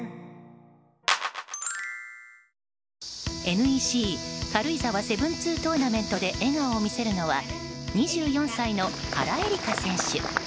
ＮＥＣ軽井沢７２トーナメントで笑顔を見せるのは２４歳の原英莉花選手。